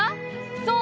そう！